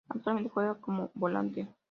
Actualmente juega como volante.